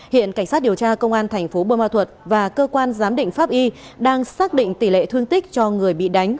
hiện cảnh sát điều tra công an thành phố bơ ma thuật và cơ quan giám định pháp y đang xác định tỷ lệ thương tích cho người bị đánh